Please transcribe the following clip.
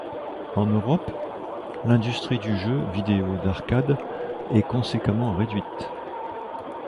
En Europe, l'industrie du jeu vidéo d'arcade est conséquemment réduite.